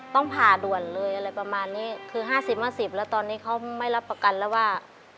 ต้องผ่าด่วนเลยอะไรประมาณนี้คือ๕๐๕๐แล้วตอนนี้เขาไม่รับประกันแล้วว่า